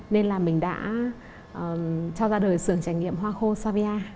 nên là mình đã cho ra đời sưởng trải nghiệm hoa khô savia